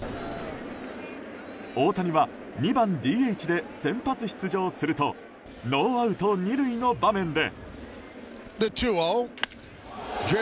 大谷は２番ＤＨで先発出場するとノーアウト２塁の場面で。